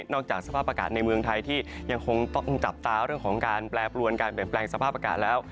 จากสภาพอากาศในเมืองไทยที่ยังคงต้องจับตาเรื่องของการแปรปรวนการเปลี่ยนแปลงสภาพอากาศแล้ว